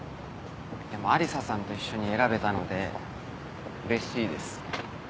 でもアリサさんと一緒に選べたのでうれしいです。